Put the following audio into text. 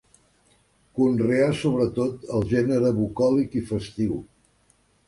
Conreà sobretot el gènere bucòlic i festiu.